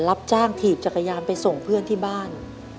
รับจ้างถีบจักรยานไปส่งเพื่อนที่บ้าน